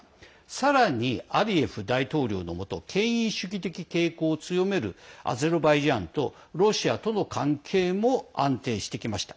さらに、アリエフ大統領のもと権威主義的傾向を強めるアゼルバイジャンとロシアとの関係も安定してきました。